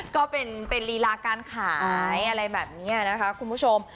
ก็เป็นลีลาการขายอะไรแบบนี้นะคะคุณผู้ชม